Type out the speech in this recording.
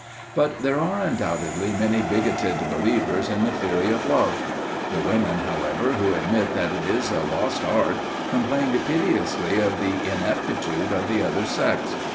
But there are undoubtedly many bigoted believers in the theory of love. The women, however, who admit that it is a lost art, complain piteously of the ineptitude of the other sex.